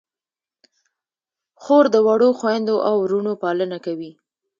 خور د وړو خویندو او وروڼو پالنه کوي.